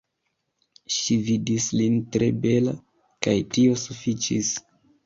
Ŝi vidis lin tre bela, kaj tio sufiĉis.